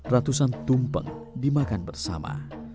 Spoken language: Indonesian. ratusan tumpeng dimakan bersama